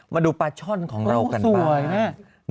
มาดูปลาช่อนของเรากันบ้างโอ้โหสวยเนี่ย